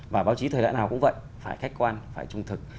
và báo chí thời đại nào cũng vậy phải khách quan phải trung thực